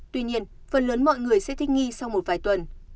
tuy nhiên phần lớn mọi người sẽ thích nghi sau một vài tuần